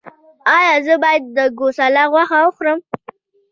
ایا زه باید د ګوساله غوښه وخورم؟